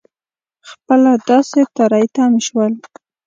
خپله داسې تری تم شول.